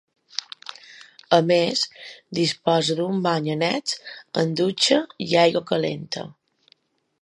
A més, disposa d’un bany annex amb dutxa i aigua calenta.